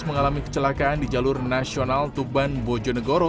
mengalami kecelakaan di jalur nasional tuban bojonegoro